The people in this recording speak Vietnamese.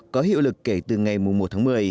có hiệu lực kể từ ngày một tháng một mươi